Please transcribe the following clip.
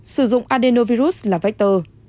sử dụng adenovirus là vector